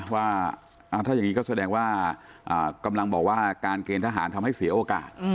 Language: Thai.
ว่าถ้าอย่างนี้ก็แสดงว่ากำลังบอกว่าการเกณฑ์ทหารทำให้เสียโอกาส